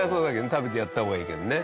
食べてやった方がいいけどね。